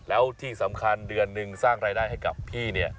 แล้วที่สำคัญเดือนหนึ่งสร้างรายได้ให้กับพี่เนี่ย